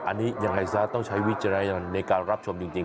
อันนี้ยังไงซะต้องใช้วิจารณญาณในการรับชมจริง